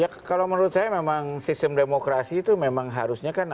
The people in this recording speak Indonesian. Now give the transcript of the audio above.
ya kalau menurut saya memang sistem demokrasi itu memang harusnya kan